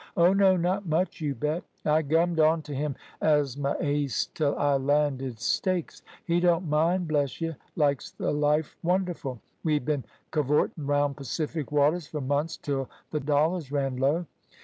Oh no, not much, you bet. I gummed on t' him as m' ace till I landed stakes. He don't mind, bless y' likes the life wonderful. We've bin gavortin' round Pacific waters fur months, till the dollars ran low.